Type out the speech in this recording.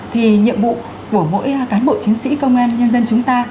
thì nhiệm vụ của mỗi cán bộ chiến sĩ công an nhân dân chúng ta